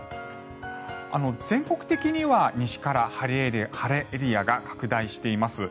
全国的には西から晴れエリアが拡大しています。